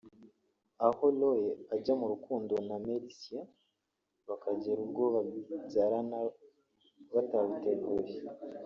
aho Loye ajya mu rukundo na Merysa bakagera ubwo byabyarana batabiteguye